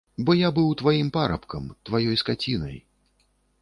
Бо я быў тваім парабкам, тваёй скацінай.